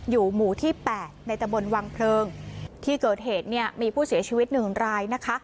หมู่ที่๘ในตะบนวังเพลิงที่เกิดเหตุเนี่ยมีผู้เสียชีวิตหนึ่งรายนะคะ